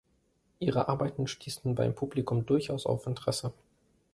Ihre Arbeiten stießen beim Publikum durchaus auf Interesse.